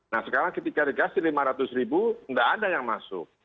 nah sekarang ketika dikasih rp lima ratus nggak ada yang masuk